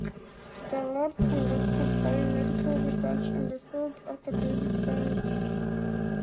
The lab conducts biomedical research in the fields of the basic sciences.